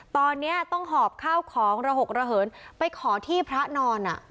ตอนนี้ต้องหอบข้าวของระหกระเหินไปขอที่พระนอน